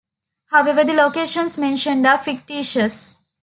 However the locations mentioned are fictitious.